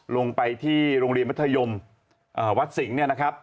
ลงไปที่โรงเรียนมัธยมวัดสิงห์เนี่ยนะครับ